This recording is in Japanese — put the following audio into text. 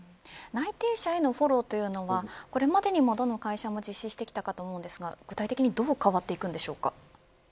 内定者へのフォローというのはこれまでにもどの会社も実施してきたと思いますが具体的にどう変わっていくのですか。